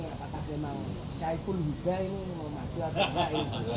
apakah memang syaiful juga ini mau masuk atau enggak ini